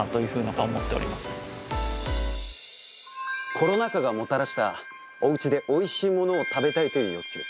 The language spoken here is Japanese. コロナ禍がもたらしたおうちでおいしいものを食べたいという欲求。